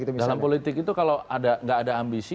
dalam politik itu kalau nggak ada ambisi